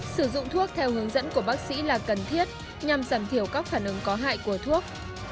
sử dụng thuốc theo hướng dẫn của bác sĩ là cần thiết nhằm giảm thiểu các phản ứng có hại của thuốc